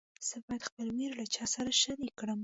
زه باید خپل ویر له چا سره شریک کړم.